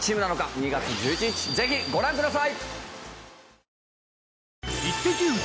２月１１日ぜひご覧ください！